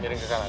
miring ke kanan